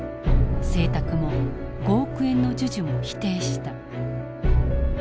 請託も５億円の授受も否定した。